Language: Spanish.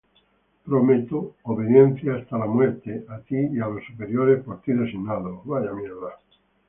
Prometo obediencia hasta la muerte a ti y a los superiores por ti designados.